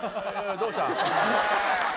「どうした？」